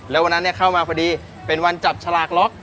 แล้ววันนั้นเข้ามาพอดีเป็นวันจับฉลากล็อก